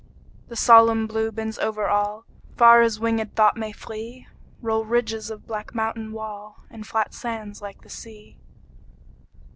The solemn Blue bends over all; Far as winged thought may flee Roll ridges of black mountain wall, And flat sands like the sea.